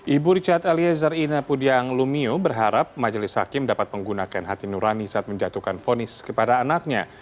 ibu richard eliezer ina pudiang lumiu berharap majelis hakim dapat menggunakan hati nurani saat menjatuhkan fonis kepada anaknya